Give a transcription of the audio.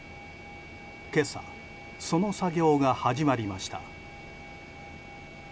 今朝、その作業が始まりました。